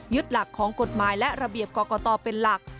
หลักของกฎหมายและระเบียบกรกตเป็นหลัก